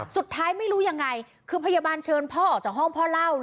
สุดท้ายไม่รู้ยังไงคือพยาบาลเชิญพ่อออกจากห้องพ่อเล่า